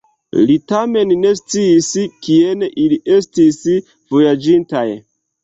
Li tamen ne sciis, kien ili estis vojaĝintaj.